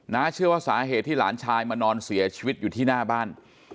เชื่อว่าสาเหตุที่หลานชายมานอนเสียชีวิตอยู่ที่หน้าบ้าน